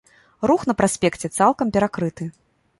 Рух на праспекце цалкам перакрыты.